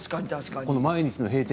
毎日の閉店